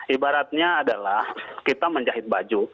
ibaratnya adalah kita menjahit baju